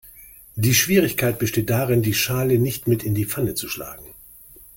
Die Schwierigkeit besteht darin, die Schale nicht mit in die Pfanne zu schlagen.